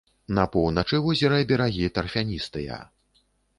На поўначы возера берагі тарфяністыя.